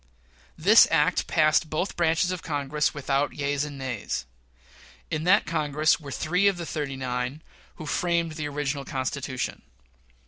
This act passed both branches of Congress without yeas and nays. In that Congress were three of the "thirty nine" who framed the original Constitution.